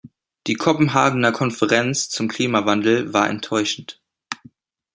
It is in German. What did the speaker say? Die Kopenhagener Konferenz zum Klimawandel war enttäuschend.